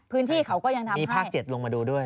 พื้นที่เขาก็ยังทำมีภาค๗ลงมาดูด้วย